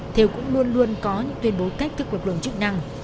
thêu cũng luôn luôn có những tuyên bố cách thức lực lượng chức năng